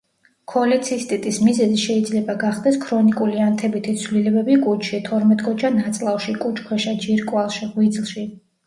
ქოლეცისტიტის მიზეზი შეიძლება გახდეს ქრონიკული ანთებითი ცვლილებები კუჭში, თორმეტგოჯა ნაწლავში, კუჭქვეშა ჯირკვალში, ღვიძლში.